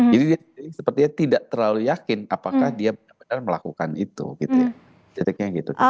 jadi dia sepertinya tidak terlalu yakin apakah dia benar benar melakukan itu